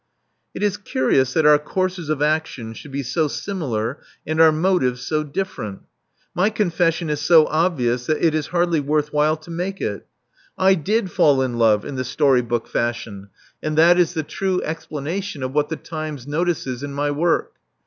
" It is curious that our courses of action should be so similar and our motives so different! My con fession is so obvious that it is hardly worth while to make it. I did fall in love in the story book fashion: Love Among the Artists 391 and that is the true explanation of what the Times notices in my work.